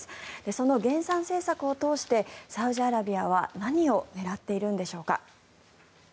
その減産政策を通してサウジアラビアは何を狙っているんでしょうか。